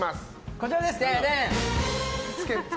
こちらです。